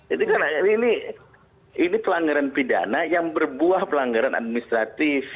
ini kan pelanggaran pidana yang berbuah pelanggaran administratif